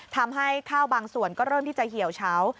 ทำให้ข้าวบางส่วนก็เริ่มที่จะเหี่ยวเฉา